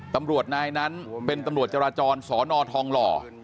ตำรวจนายนั้นเป็นตำรวจจราจรสอนอทองหล่อ